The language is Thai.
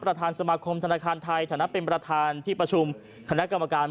ประธานสมาคมธนาคารไทยฐานะเป็นประธานที่ประชุมคณะกรรมการ